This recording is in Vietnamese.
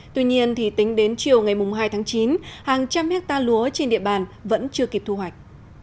tuy nhiên tính đến chiều ngày hai tháng chín hàng trăm hectare lúa trên địa bàn vẫn chưa kịp thu hoạch